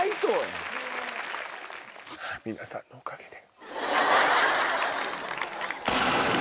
皆さんのおかげで。